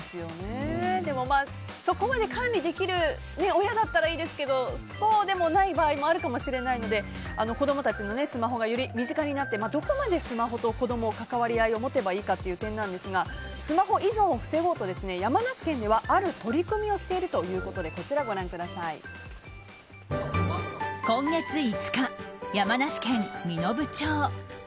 でも、そこまで管理できる親だったらいいですけどそうでもない場合もあるかもしれないので子供たちのスマホがより身近になってどこまでスマホと子供関わり合いを持てばいいかという点なんですが、スマホ依存を防ごうと山梨県ではある取り組みをしているということで今月５日、山梨県身延町。